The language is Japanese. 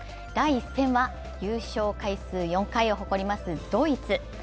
第１戦は、優勝回数４回を誇りますドイツ。